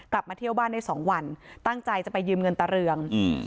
กลับมาเที่ยวบ้านได้สองวันตั้งใจจะไปยืมเงินตาเรืองอืม